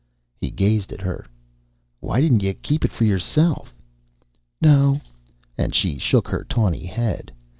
He gazed at her. "Why didn't you keep it for yourself?" "No," and she shook her tawny head.